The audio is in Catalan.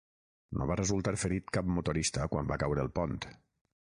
No va resultar ferit cap motorista quan va caure el pont.